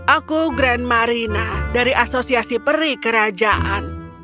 aku grand marina dari asosiasi peri kerajaan